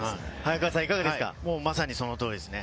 まさにその通りですね。